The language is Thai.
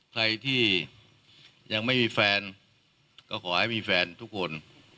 ใครที่ยังไม่มีแฟนก็ขอให้มีแฟนทุกคน